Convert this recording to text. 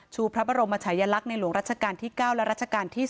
พระบรมชายลักษณ์ในหลวงรัชกาลที่๙และรัชกาลที่๓